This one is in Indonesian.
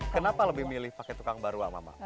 kenapa lebih milih pakai tukang baruak mama